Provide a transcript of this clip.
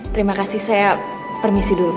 terima kasih saya permisi dulu